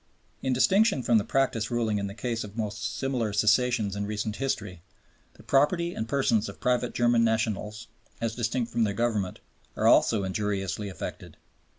In distinction from the practice ruling in the case of most similar cessions in recent history, the property and persons of private German nationals, as distinct from their Government, are also injuriously affected.